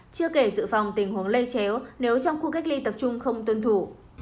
chưa kể sự phòng tình huống lây chéo nếu trong khu cách ly tập trung không tuân thủ